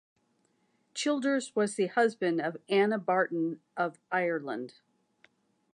Childers was the husband of Anna Barton of Ireland.